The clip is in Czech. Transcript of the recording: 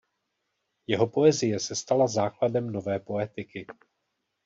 Jeho poezie se stala základem nové poetiky.